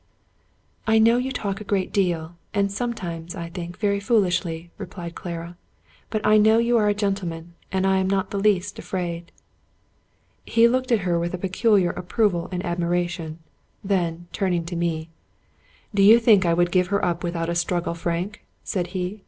" I know you talk a great deal, and sometimes, I think, very foolishly," replied Clara, " but I know you are a gen tleman, and I am not the least afraid." He looked at her with a peculiar approval and admiration ; then, turning to me, " Do you think I would give her up without a struggle, Frank?" said he.